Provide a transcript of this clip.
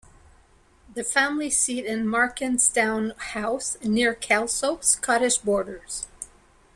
The family seat is Makerstoun House, near Kelso, Scottish Borders.